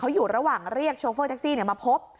อยู่ระหว่างเรียกโชเฟอร์แท็กซี่มาพบ